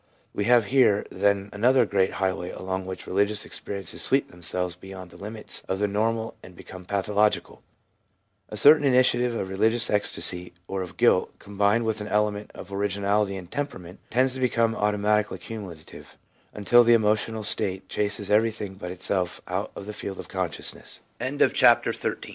We have here, then, another great highway along which religious experiences sweep themselves beyond the limits of the normal and become pathological ; a certain initiative of religious ecstasy, or of guilt, combined with an element of originality in temperament, tends to become automatically cumulative, until the emotional state chases everything but